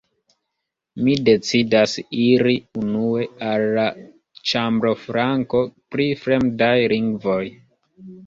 Mi decidas iri unue al la ĉambroflanko pri fremdaj lingvoj.